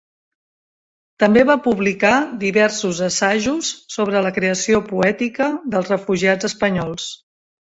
També va publicar diversos assajos sobre la creació poètica dels refugiats espanyols.